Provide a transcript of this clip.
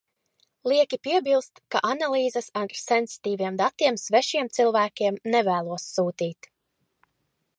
Lieki piebilst, ka analīzes ar sensitīviem datiem svešiem cilvēkiem nevēlos sūtīt.